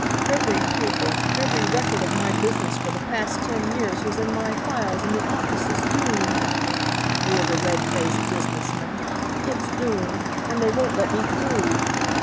"Every paper, every record of my business for the past ten years, was in my files and the office is doomed," roared a red faced business man. "It's doomed! And they won't let me through."